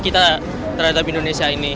kita terhadap indonesia ini